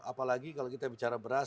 apalagi kalau kita bicara beras